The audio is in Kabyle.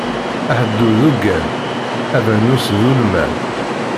Aḥeddur d uggan, abeṛnus d ulman.